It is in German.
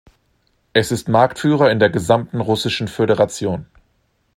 Es ist Marktführer in der gesamten Russischen Föderation.